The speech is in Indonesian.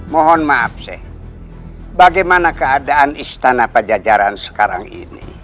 mohon maaf sih bagaimana keadaan istana pajajaran sekarang ini